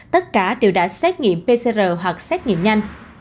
tất cả đều đã xét nghiệm pcr hoặc xét nghiệm nhanh